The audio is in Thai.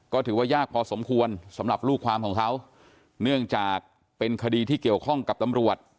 ก็ถือว่ายากพอสมควรสำหรับลูกความของเขาเนื่องจากเป็นคดีที่เกี่ยวข้องกับตำรวจ